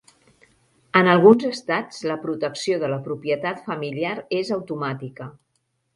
En alguns estats, la protecció de la propietat familiar és automàtica.